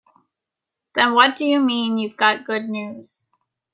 Then what do you mean you've got good news?